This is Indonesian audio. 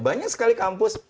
banyak sekali kampus